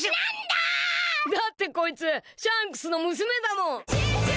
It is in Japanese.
「だってこいつシャンクスの娘だもん」